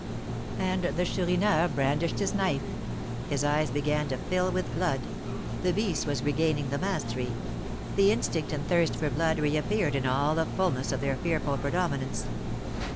And the Chourineur brandished his knife, his eyes began to fill with blood; the beast was regaining the mastery; the instinct and thirst for blood reappeared in all the fullness of their fearful predominance.